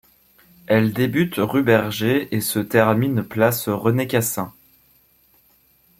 Elle débute rue Berger et se termine place René-Cassin.